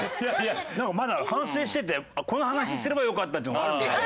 なんかまだ反省しててこの話すればよかったっていうのがあるみたい。